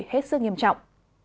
viết sư nghiêm trọng